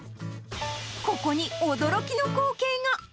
ここに驚きの光景が。